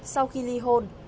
sau khi ly hôn